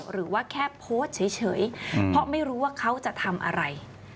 หรือว่าแค่โพสต์เฉยเพราะไม่รู้ว่าเขาจะทำอะไร